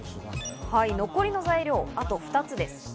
残りの材料、あと２つです。